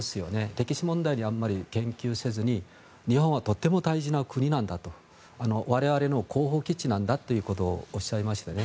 歴史問題にあまり言及せずに日本はとても大事な国なんだと我々の後方基地なんだということをおっしゃいましたね。